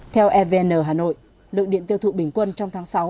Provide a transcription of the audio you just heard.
theo evn hà nội lượng điện tiêu thụ bình quân trong tháng sáu